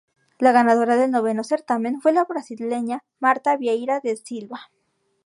La ganadora del noveno certamen fue la brasileña Marta Vieira da Silva.